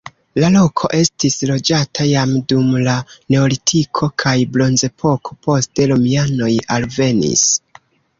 La loko estis loĝata jam dum la neolitiko kaj bronzepoko, poste romianoj alvenis.